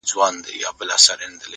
• زه به د خال او خط خبري كوم؛